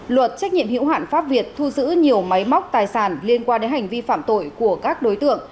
luật trách nhiệm hữu hạn pháp việt thu giữ nhiều máy móc tài sản liên quan đến hành vi phạm tội của các đối tượng